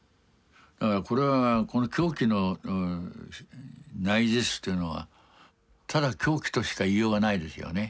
これはこの狂気の内実というのはただ狂気としか言いようがないですよね。